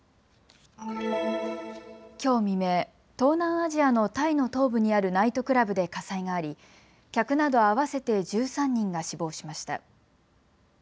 きょう未明、東南アジアのタイの東部にあるナイトクラブで火災があり、客など合わせて１３人が死亡しました。